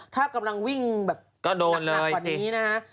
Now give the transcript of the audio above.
ถ้ากำลังวิ่งแบบหนักกว่านี้นะฮะ